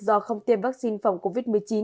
do không tiêm vaccine phòng covid một mươi chín